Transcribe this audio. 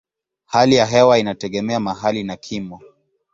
Hali ya hewa inategemea mahali na kimo.